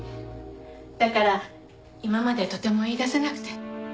だから今までとても言い出せなくて。